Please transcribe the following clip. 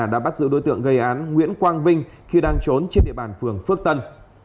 đã bắt giữ đối tượng gây án nguyễn quang vinh khi đang trốn trên địa bàn phường phước tân